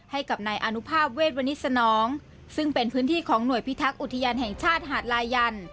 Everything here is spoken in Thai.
ให้กับนายอนุภาพเวทวนิสนองซึ่งเป็นพื้นที่ของหน่วยพิทักษ์อุทยานแห่งชาติหาดลายัน